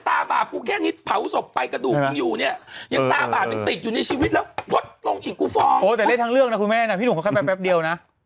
ตาบาดกูแค่นิดเผาศพไปกระดูกมึงอยู่เนี่ย